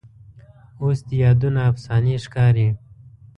اوس دې یادونه افسانې ښکاري